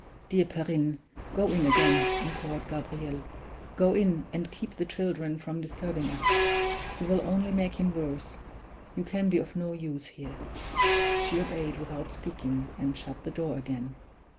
"Dear Perrine! go in again," implored Gabriel. "Go in, and keep the children from disturbing us. You will only make him worse you can be of no use here!" She obeyed without speaking, and shut the door again.